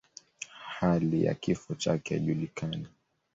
Hali ya kifo chake haijulikani.